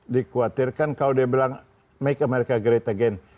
dikhawatirkan kalau dia bilang make america great again